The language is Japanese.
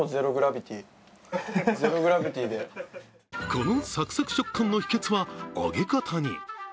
このサクサク食感の秘けつは揚げ方に。